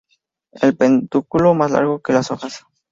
El pedúnculo más largo que las hojas.